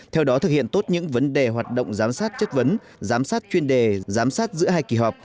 theo đó thực hiện tốt những vấn đề hoạt động giám sát chất vấn giám sát chuyên đề giám sát giữa hai kỳ họp